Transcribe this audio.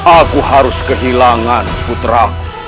aku harus kehilangan putraku